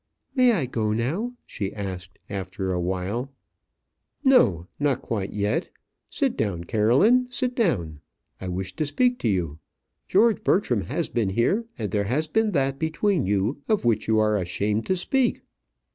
"May I go now?" she asked, after awhile. "No; not quite yet. Sit down, Caroline; sit down. I wish to speak to you. George Bertram has been here, and there has been that between you of which you are ashamed to speak!"